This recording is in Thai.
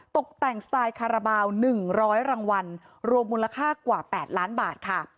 ตกแต่งสไตล์คาราบาล๑๐๐รางวัลรวมมูลค่ากว่า๘ล้านบาทค่ะ